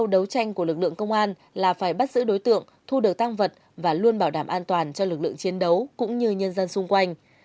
đấu tranh của lực lượng công an là phải bắt giữ đối tượng thu được tăng vật và luôn bảo đảm an toàn cho lực lượng chiến đấu cũng như nhân dân xung quanh